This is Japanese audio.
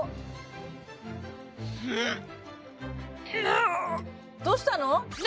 あどうしたの？